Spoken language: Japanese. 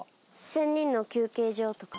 仙人の休憩所とか。